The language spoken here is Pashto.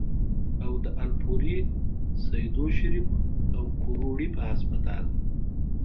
او د الپورۍ ، سېدو شريف ، او کروړې پۀ هسپتال